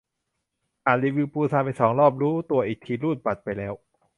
อ่านรีวิวปูซานไปสองรอบ รู้ตัวอีกทีรูดบัตรไปแล้ว